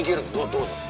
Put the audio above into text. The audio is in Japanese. どうなの？